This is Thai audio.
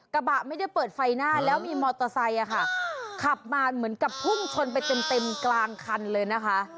กระบะไม่ได้เปิดไฟหน้าแล้วมีมอเตอร์ไซค์ขับมาเหมือนกับพุ่งชนไปเต็มเต็มกลางคันเลยนะคะ